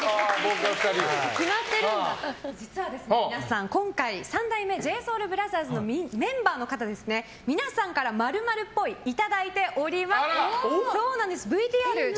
実は、皆さん今回三代目ＪＳＯＵＬＢＲＯＴＨＥＲＳのメンバーの方に皆さんから○○っぽいをいただいております。